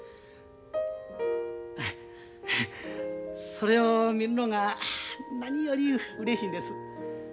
それを見るのが何よりうれしいんです。